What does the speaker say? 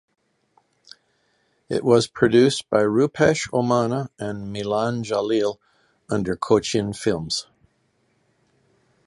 It was produced by Roopesh Omana and Milan Jaleel under Cochin Films.